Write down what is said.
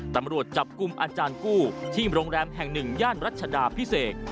ตำรวจจับกลุ่มอาจารย์กู้ที่โรงแรมแห่งหนึ่งย่านรัชดาพิเศษ